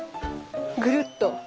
ぐるっと。